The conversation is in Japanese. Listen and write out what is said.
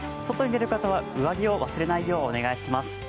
外に出る方は上着を忘れないようお願いします。